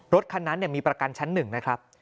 รถคันนั้นมีประกันชั้น๑นะครับ